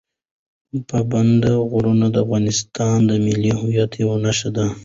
پابندي غرونه د افغانستان د ملي هویت یوه نښه ده.